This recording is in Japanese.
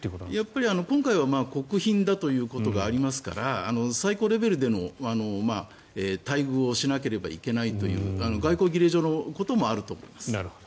やっぱり今回は国賓だということがありますから最高レベルでの待遇をしなければいけないという外交儀礼上のこともあると思います。